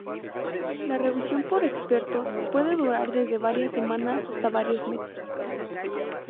La revisión por expertos puede durar desde varias semanas hasta varios meses.